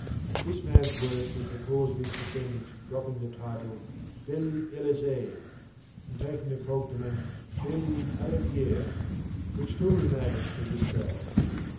This man's worth was the cause of his descendants dropping the title degli Elisei, and taking the cognomen degli Alighieri, which still remains to this day.